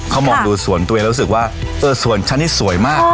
เขามองดูสวนตัวเองแล้วรู้สึกว่าเออสวนฉันนี่สวยมาก